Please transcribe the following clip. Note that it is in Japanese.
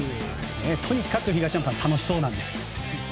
とにかく、東山さん楽しそうなんです。